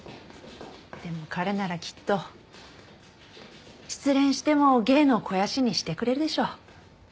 でも彼ならきっと失恋しても芸の肥やしにしてくれるでしょう。